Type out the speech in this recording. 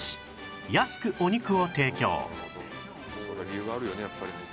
理由があるよねやっぱりね。